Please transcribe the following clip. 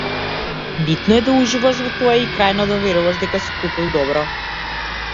Битно е да уживаш во тоа и, крајно, да веруваш дека си купил добро.